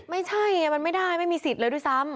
ไม่ใช่ไงมันไม่ได้ไม่มีสิทธิ์เลยด้วยซ้ำ